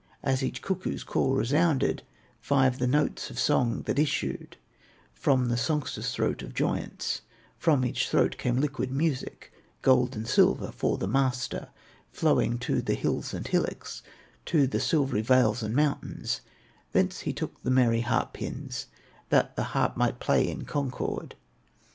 As each cuckoo's call resounded, Five the notes of song that issued From the songster's throat of joyance; From each throat came liquid music, Gold and silver for the master, Flowing to the hills and hillocks, To the silvery vales and mountains; Thence he took the merry harp pins, That the harp might play in concord.